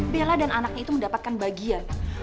bella dan anaknya itu mendapatkan bagian